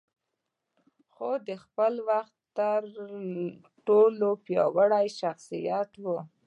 خو د خپل وخت تر ټولو پياوړی شخصيت و.